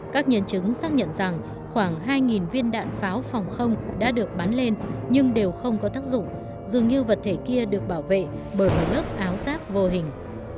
các nhân chứng xác nhận rằng khoảng hai viên đạn pháo phòng không đã được bắn lên nhưng đều không có tác dụng dường như vật thể kia được bảo vệ bởi một lớp áo xác vô hình